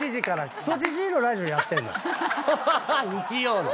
日曜の。